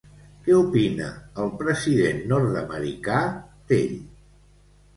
Què opina el president nord-americà d'ell?